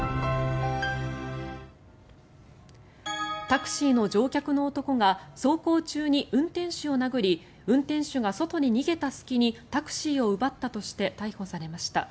タクシーの乗客の男が走行中に運転手を殴り運転手が外に逃げた隙にタクシーを奪ったとして逮捕されました。